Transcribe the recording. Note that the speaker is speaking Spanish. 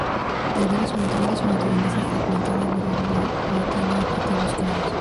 Debido a su naturaleza fragmentada, la rebelión no tiene objetivos claros.